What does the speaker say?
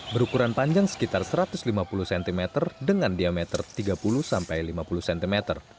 berukuran panjang sekitar satu ratus lima puluh cm dengan diameter tiga puluh sampai lima puluh cm